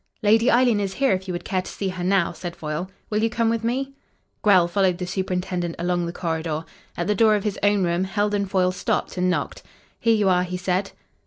"Lady Eileen is here, if you would care to see her now," said Foyle. "Will you come with me?" Grell followed the superintendent along the corridor. At the door of his own room, Heldon Foyle stopped and knocked. "Here you are," he said.